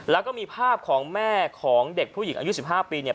แล้วก็มีภาพของแม่ของเด็กผู้หญิงอายุ๑๕ปีเนี่ย